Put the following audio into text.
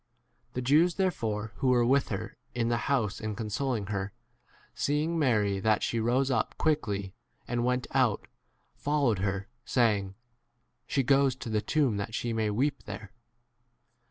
The Jews therefore who were with her in the house and consoling her, seeing Mary that she rose up quickly and went out, followed her, saying, She goes to the tomb 32 that she may weep there.